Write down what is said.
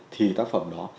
thì tác phẩm đó